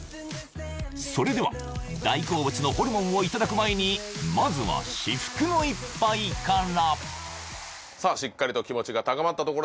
それでは大好物のホルモンをいただく前にまずは至福の一杯からいきますか？